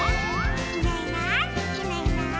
「いないいないいないいない」